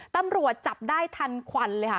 ตำรวจจับได้ทันควันเลยค่ะ